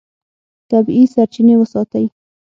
طبیعي سرچینې وساتئ.